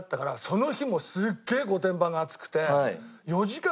その日もすげえ御殿場が暑くて。